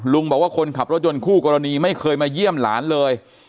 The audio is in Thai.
บอกว่าคนขับรถยนต์คู่กรณีไม่เคยมาเยี่ยมหลานเลย